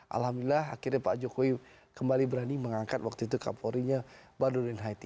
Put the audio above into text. alhamdulillah akhirnya pak jokowi kembali berani mengangkat waktu itu kapolrinya badurin haiti